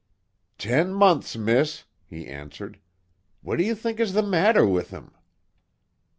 "Ten months, miss," he answered. "What do you think is the matter with him?"